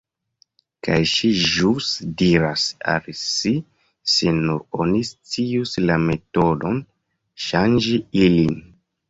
Kaj ŝi ĵus diras al si "se nur oni scius la metodon ŝanĝi ilin…"